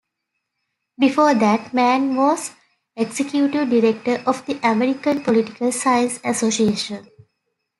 Before that, Mann was executive director of the American Political Science Association.